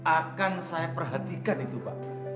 akan saya perhatikan itu pak